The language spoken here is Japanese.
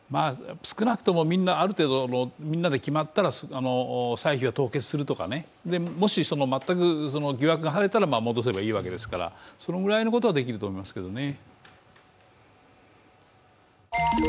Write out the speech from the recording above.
少なくとも、ある程度決まったら歳費は凍結するとか、もし、全く疑惑が晴れたら戻せばいいわけですから、そのくらいのことはできると思いますけどね。